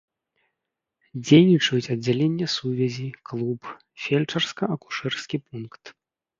Дзейнічаюць аддзяленне сувязі, клуб, фельчарска-акушэрскі пункт.